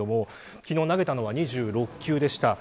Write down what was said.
昨日、投げたのは２６球でした。